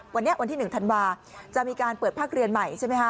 วันนี้วันที่๑ธันวาจะมีการเปิดภาคเรียนใหม่ใช่ไหมคะ